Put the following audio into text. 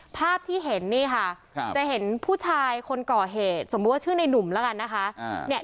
ภาพที่เห็นนี่ค่ะจะเห็นผู้ชายคนก่อเหตุสมมุติว่าชื่อในหนุ่มแล้วกันนะคะ